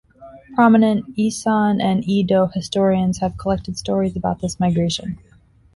Prominent Esan and Edo historians have collected stories about this migration.